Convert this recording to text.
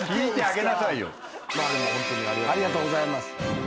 ありがとうございます。